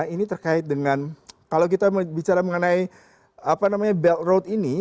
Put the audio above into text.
ini terkait dengan kalau kita bicara mengenai belt road ini